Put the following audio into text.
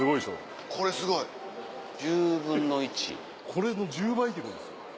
これの１０倍ってことですよ。